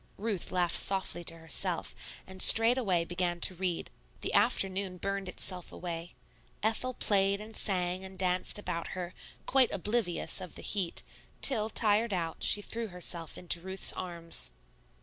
Ruth laughed softly to herself, and straightway began to read. The afternoon burned itself away. Ethel played and sang and danced about her, quite oblivious of the heat, till, tired out, she threw herself into Ruth's arms.